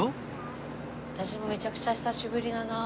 私もめちゃくちゃ久しぶりだな。